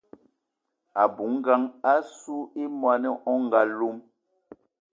A bou ngang assou y mwani o nga lom.